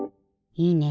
いいね！